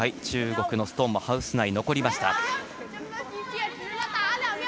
中国のストーンもハウス内に残りました。